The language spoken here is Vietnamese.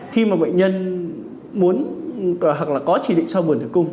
khi mà bệnh nhân muốn hoặc là có chỉ định soi bùn tử cung